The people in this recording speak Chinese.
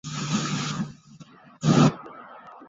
他出身自埃弗顿的青训系统。